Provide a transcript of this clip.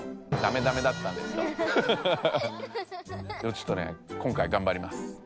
ちょっとね今回がんばります。